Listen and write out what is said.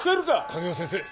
影尾先生